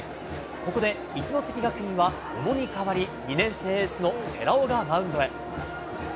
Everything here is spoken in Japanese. ここで一関学院は小野に代わり、２年生エースの寺尾がマウンドへ。